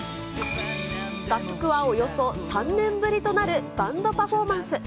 楽曲はおよそ３年ぶりとなるバンドパフォーマンス。